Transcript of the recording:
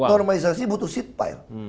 normalisasi butuh sitpile